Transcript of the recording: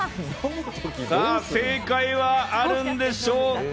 さぁ、正解はあるんでしょうか？